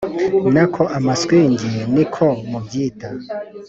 nako amaswingi ni ko mubyita.